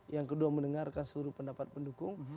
yang kedua mendengarkan seluruh pendapat pendukung